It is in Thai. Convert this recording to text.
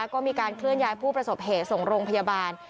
ก็มีการเคลื่อนย้ายผู้ประสบเหตุส่งโรงพยาบาล